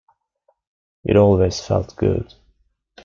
It always felt good.